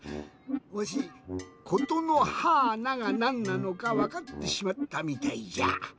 わし「ことのはーな」がなんなのかわかってしまったみたいじゃ。